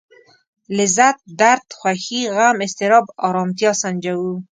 لذت درد خوښي غم اضطراب ارامتيا سنجوو.